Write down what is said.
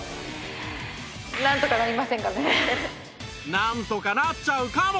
なんとかなっちゃうかも？